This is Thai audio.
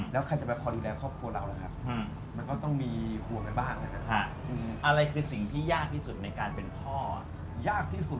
แล้วใครจะไปคอดูแลครอบครัวเรา